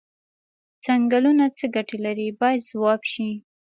څنګلونه څه ګټې لري باید ځواب شي.